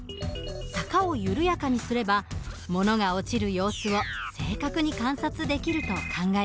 坂を緩やかにすれば物が落ちる様子を正確に観察できると考えたのです。